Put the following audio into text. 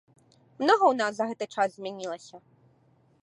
Многа ў нас за гэты час змянілася.